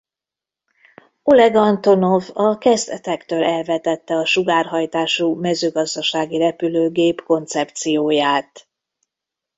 Oleg Antonov a kezdetektől elvetette a sugárhajtású mezőgazdasági repülőgép koncepcióját.